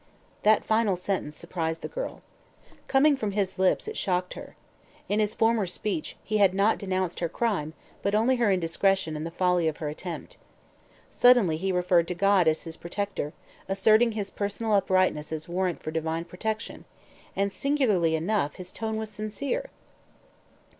That final sentence surprised the girl. Coming from his lips, it shocked her. In his former speech he had not denounced her crime, but only her indiscretion and the folly of her attempt. Suddenly he referred to God as his protector, asserting his personal uprightness as warrant for Divine protection; and, singularly enough, his tone was sincere.